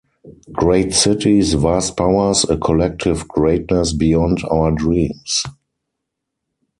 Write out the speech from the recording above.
Great cities, vast powers, a collective greatness beyond our dreams.